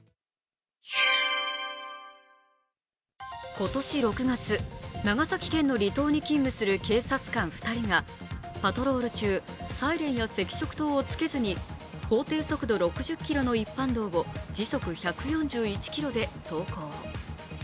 今年６月、長崎県の離島に勤務する警察官２人が、パトロール中、サイレンや赤色灯をつけずに法定速度６０キロの一般道を時速１４１キロで走行。